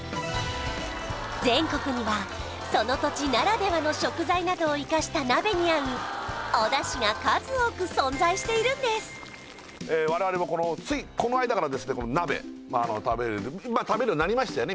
全国にはその土地ならではの食材などを生かした鍋に合うお出汁が数多く存在しているんです我々もついこの間から鍋食べる食べるようになりましたよね